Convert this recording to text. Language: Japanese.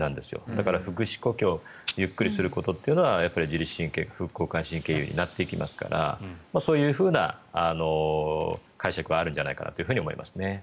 だから腹式呼吸をゆっくりすることは自律神経、副交感神経優位になっていきますからそういうふうな解釈はあるんじゃないかなと思います。